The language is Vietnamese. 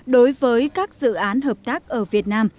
đối với các dự án hợp tác ở việt nam